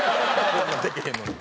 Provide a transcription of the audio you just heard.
でけへんのに。